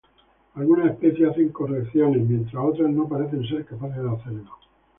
Algunas especies hacen correcciones, mientras otras no parecen ser capaces de hacerlo.